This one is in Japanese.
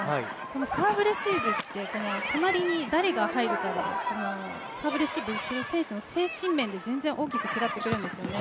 サーブレシーブって隣に誰が入るかで、サーブレシーブする選手の精神面でも全然大きく違ってくるんですよね。